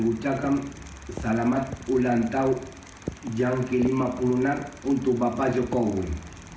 mengucapkan selamat ulang tahun yang ke lima puluh enam untuk bapak jokowi